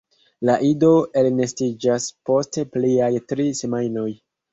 La ido elnestiĝas post pliaj tri semajnoj.